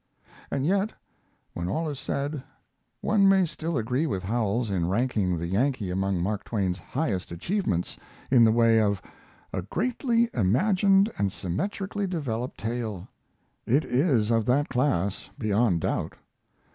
And yet, when all is said, one may still agree with Howells in ranking the Yankee among Mark Twain's highest achievements in the way of "a greatly imagined and symmetrically developed tale." It is of that class, beyond doubt.